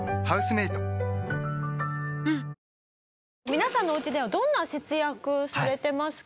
皆さんのお家ではどんな節約されてますか？